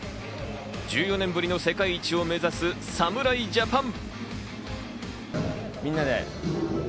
１４年ぶりの世界一を目指す侍ジャパン。